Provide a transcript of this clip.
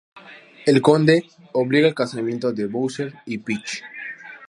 El Conde obliga el casamiento de Bowser y Peach.